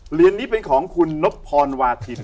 เหรียญนี้เป็นของคุณนบพรวาทิน